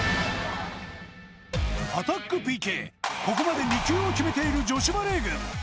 ここまで２球を決めている女子バレー軍